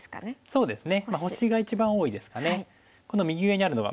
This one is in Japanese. そうですね